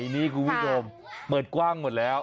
นี่คุณผู้ชมเปิดกว้างหมดแล้ว